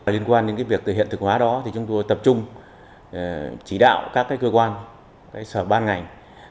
liên quan đến cái việc thực hiện thực hóa đó thì chúng tôi tập trung chỉ đạo các cái cơ quan cái sở ban ngành